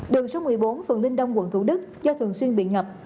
đường số một mươi bốn phường linh đông quận thủ đức do thường xuyên bị ngập